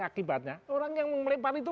akibatnya orang yang melempar itu